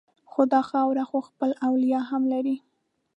خو دا خاوره خو خپل اولیاء هم لري